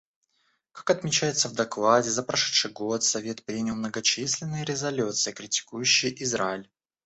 Как отмечается в докладе, за прошедший год Совет принял многочисленные резолюции, критикующие Израиль.